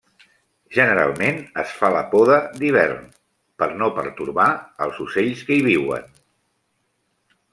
Generalment es fa la poda d'hivern, per no pertorbar els ocells que hi viuen.